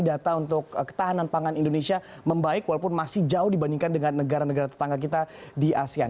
data untuk ketahanan pangan indonesia membaik walaupun masih jauh dibandingkan dengan negara negara tetangga kita di asean